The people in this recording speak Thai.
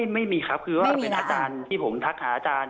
ไม่มีครับคือว่าเป็นอาจารย์ที่ผมทักหาอาจารย์